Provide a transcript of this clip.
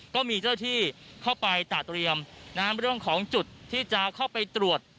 ก็มีเจ้าที่เข้าไปตาเตรียมเรื่องของจุดที่จะเข้าไปตรวจ